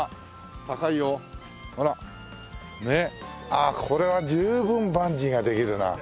ああこれは十分バンジーができるな。